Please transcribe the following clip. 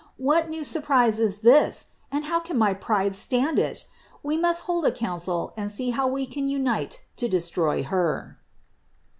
What new surprise is this, and how can my pride stand it? We must hold a council and see how we can unite to destroy Her."